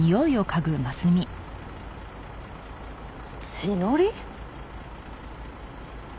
血のり？